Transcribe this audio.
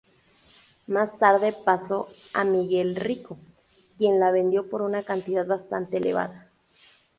Más tarde, pasó a Miguel Rico, quien la vendió por una cantidad bastante elevada.